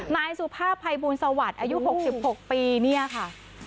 นายสุภาพภัยบูลสวัสดิ์อายุ๖๖ปีเนี่ยค่ะ